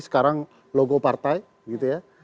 sekarang logo partai gitu ya